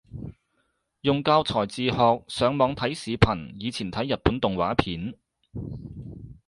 用教材自學，上網睇視頻，以前睇日本動畫片